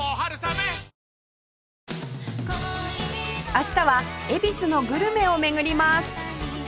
明日は恵比寿のグルメを巡ります